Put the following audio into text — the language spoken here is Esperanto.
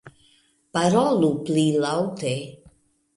- Parolu pli laŭte.